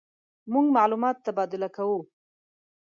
مونږ معلومات تبادله کوو.